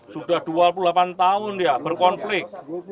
sudah dua puluh delapan tahun ya berkonflik